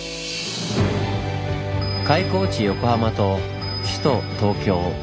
「開港地横浜」と「首都東京」。